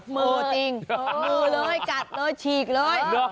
มือจริงมือเลยจัดเลยฉีกเลย